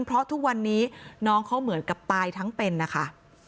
เพราะทุกวันนี้น้องเขาเหมือนกับตายทั้งเป็นนะคะ